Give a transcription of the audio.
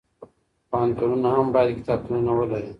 پوهنتونونه هم باید کتابتونونه ولري.